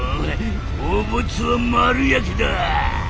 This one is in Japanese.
汚物は丸焼きだ！